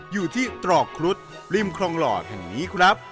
อยู่ที่ตรอกครุฑริมคลองหล่อแห่งนี้ครับ